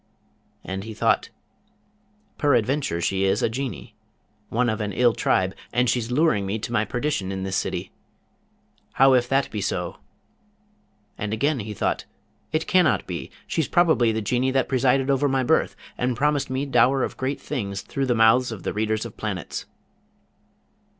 And he thought, 'Peradventure she is a Genie, one of an ill tribe, and she's luring me to my perdition in this city! How if that be so?' And again he thought, 'It cannot be! She's probably the Genie that presided over my birth, and promised me dower of great things through the mouths of the readers of planets.'